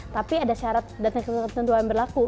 tapi ada syarat dan kepentingan tentu yang berlaku